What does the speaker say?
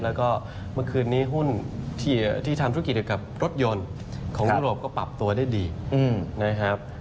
แล้วก็เมื่อคืนนี้หุ้นที่ทำธุรกิจเกี่ยวกับรถยนต์ของยุโรปก็ปรับตัวได้ดีนะครับ